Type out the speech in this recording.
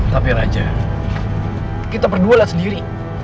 tapi raja kita berdua lah sendiri